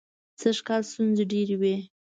سږکال ستونزې ډېرې وې.